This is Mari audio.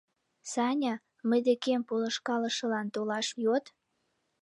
— Саня, мый декем полышкалышылан толаш йод.